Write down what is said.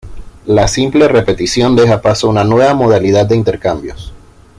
La simple repetición deja paso a una nueva modalidad de intercambios.